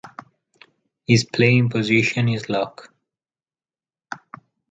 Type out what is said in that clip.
His playing position is lock.